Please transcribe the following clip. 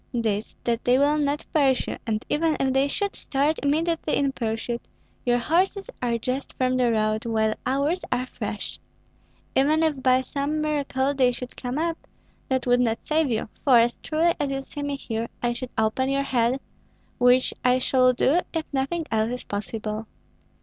"This, that they will not pursue; and even if they should start immediately in pursuit, your horses are just from the road, while ours are fresh. Even if by some miracle they should come up, that would not save you, for, as truly as you see me here, I should open your head, which I shall do if nothing else is possible.